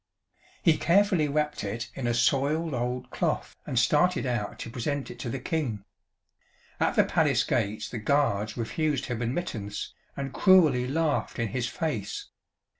He carefully wrapped it in a soiled old cloth and started out to present it to the King. At the palace gates the guards refused him admittance, and cruelly laughed in his face.